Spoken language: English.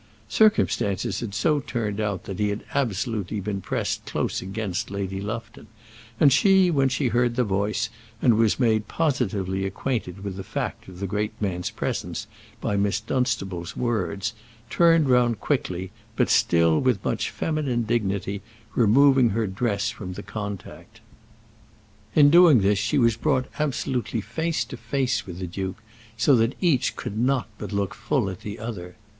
Circumstances had so turned out that he had absolutely been pressed close against Lady Lufton, and she, when she heard the voice, and was made positively acquainted with the fact of the great man's presence by Miss Dunstable's words, turned round quickly, but still with much feminine dignity, removing her dress from the contact. In doing this she was brought absolutely face to face with the duke, so that each could not but look full at the other.